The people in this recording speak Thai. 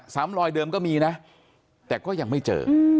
ลอยเดิมก็มีนะแต่ก็ยังไม่เจอ